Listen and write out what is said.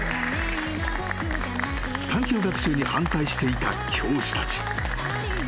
［探求学習に反対していた教師たち］